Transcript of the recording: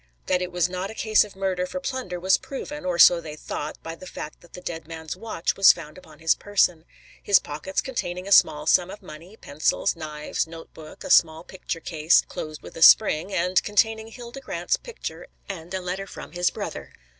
That it was not a case of murder for plunder was proven, or so they thought, by the fact that the dead man's watch was found upon his person; his pockets containing a small sum of money, pencils, knives, note book, a small picture case, closed with a spring, and containing Hilda Grant's picture, and a letter from his brother.